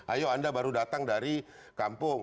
ayo anda baru datang dari kampung